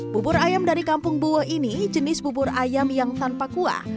bubur ayam dari kampung bue ini jenis bubur ayam yang tanpa kuah